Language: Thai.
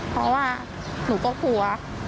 เพราะว่าหนูก็กลัว